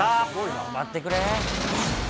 頑張ってくれ。